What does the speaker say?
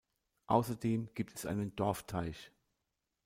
Außerdem gibt es einen Dorfteich.